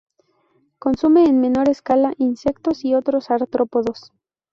Consume en menor escala insectos y otros artrópodos.